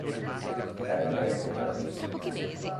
M. il Re.